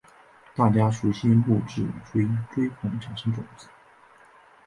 大家熟悉木质锥锥孔产生种子。